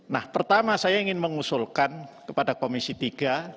nah pertama saya ingin mengusulkan kepada komisi tiga